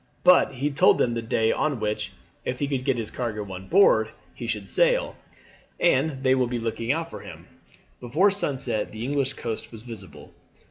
But he told them the day on which, if he could get his cargo on board, he should sail, and they will be looking out for him." Before sunset the English coast was visible.